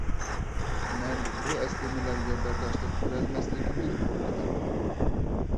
مەن بۇ ئەسلىمىلەرگە بەرداشلىق بېرەلمەسلىكىمدىن قورقىمەن.